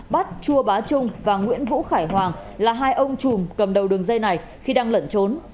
bắt chua bá trung và nguyễn vũ khải hoàng là hai ông chùm cầm đầu đường dây này khi đang lẩn trốn